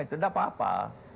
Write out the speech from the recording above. itu tidak apa apa